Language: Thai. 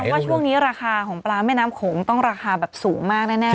ว่าช่วงนี้ราคาของปลาแม่น้ำโขงต้องราคาแบบสูงมากแน่